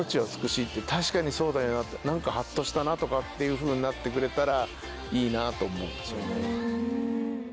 確かにそうだよなって何かハッとしたなとかっていうふうになってくれたらいいなと思うんですよね。